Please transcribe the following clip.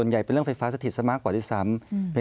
ส่วนใหญ่เป็นเรื่องไฟฟ้าสถิตย์กว่าก่อนที่ซ้ำ